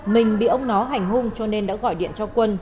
mình bị ông nó hành hung cho nên đã gọi điện cho quân